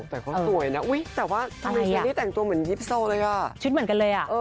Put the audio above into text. แต่เขาสวยนะอุ๊ยแต่ว่าทำไมคนนี้แต่งตัวเหมือนยิปโซแล้วก็ชุดเหมือนกันเลย